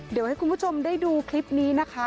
เดี๋ยวให้คุณผู้ชมได้ดูคลิปนี้นะคะ